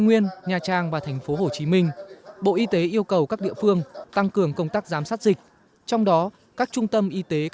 nguyên nha trang và thành phố hồ chí minh bộ y tế yêu cầu các địa phương tăng cường công tác giám